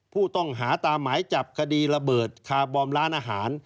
ผู้ต้องหาตามหมายจับคดีระเบิดคาร์บอมร้านอาหาร